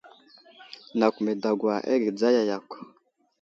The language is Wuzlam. Nakw me dagwa aghe dzaya yakw.